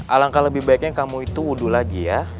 alangkah lebih baiknya yang kamu itu wudhu lagi ya